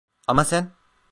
Ama sen...